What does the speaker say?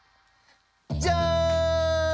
じゃん！